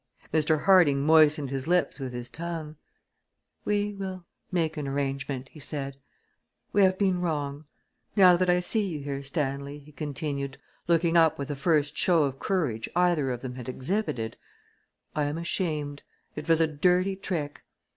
Mr. Harding moistened his lips with his tongue. "We will make an arrangement," he said. "We have been wrong. Now that I see you here, Stanley," he continued, looking up with the first show of courage either of them had exhibited, "I am ashamed! It was a dirty trick!